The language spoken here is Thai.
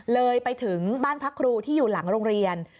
เลยไปถึงบ้านพักครูที่อยู่หลังโรงเรียน